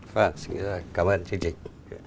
vâng cảm ơn chương trình